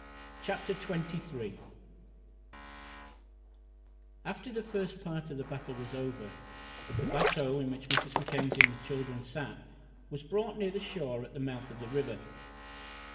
CHAPTER XXIII RESCUE After the first part of the battle was over, the bateau in which Mrs. Mackenzie and the children sat was brought near the shore at the mouth of the river.